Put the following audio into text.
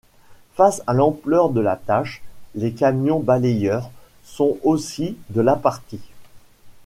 Face à l'ampleur de la tache, les camions balayeurs sont aussi de la partie.